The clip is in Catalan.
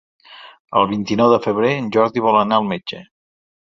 El vint-i-nou de febrer en Jordi vol anar al metge.